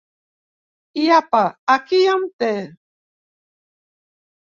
I apa, aquí em té!